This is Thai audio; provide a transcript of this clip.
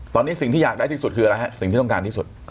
ตอนนี้สิ่งที่อยากได้ที่สุดคืออะไรฮะสิ่งที่ต้องการที่สุด